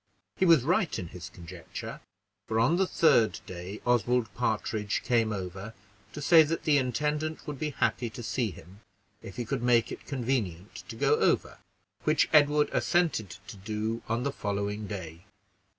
He was right in his conjecture, for, on the third day, Oswald Partridge came over to say that the intendant would be happy to see him, if he could make it convenient to go over; which Edward assented to do on the following day.